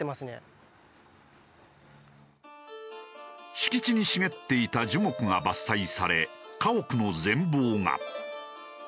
敷地に茂っていた樹木が伐採され家屋の全貌が。